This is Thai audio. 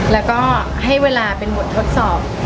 แล้วก็ให้เวลาเป็นบททดสอบ